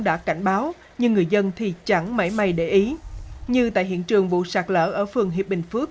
đã báo nhưng người dân thì chẳng mãi mãi để ý như tại hiện trường vụ sạc lỡ ở phường hiệp bình phước